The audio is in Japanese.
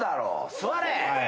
座れ。